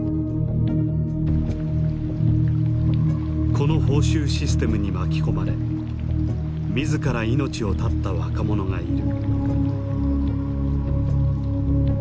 この報酬システムに巻き込まれ自ら命を絶った若者がいる。